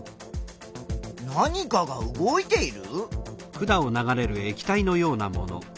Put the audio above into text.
何かが動いている？